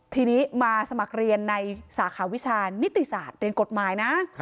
ทีนี้มาสมัครเรียนในสาขาวิชานิติศาสตร์เรียนกฎหมายนะ